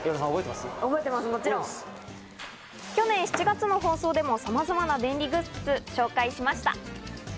去年７月の放送でもさまざまな便利グッズ、紹介しました。